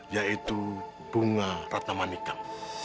yaitu bunga ratnamanikan